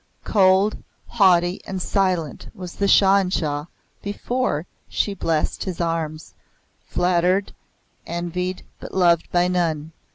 Cold, haughty, and silent was the Shah in Shah before she blessed his arms flattered, envied, but loved by none.